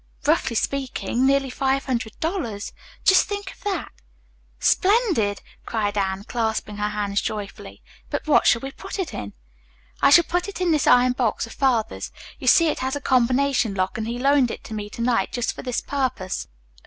"Roughly speaking, nearly five hundred dollars. Just think of that." "Splendid!" cried Anne, clasping her hands joyfully. "But what shall we put it in?" "I shall put it in this iron box of father's. You see, it has a combination lock and he loaned it to me to night just for this purpose.